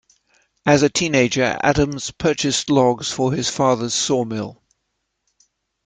As a teenager Adams purchased logs for his father's sawmill.